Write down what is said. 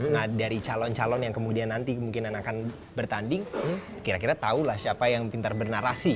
nah dari calon calon yang kemudian nanti kemungkinan akan bertanding kira kira tahulah siapa yang pintar bernarasi